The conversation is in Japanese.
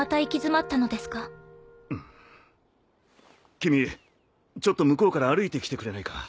君ちょっと向こうから歩いて来てくれないか？